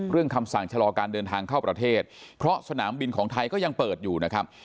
คำสั่งชะลอการเดินทางเข้าประเทศเพราะสนามบินของไทยก็ยังเปิดอยู่นะครับ